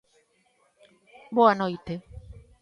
Boa noite.